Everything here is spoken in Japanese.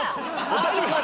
大丈夫ですか？